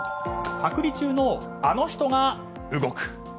隔離中のあの人が動く。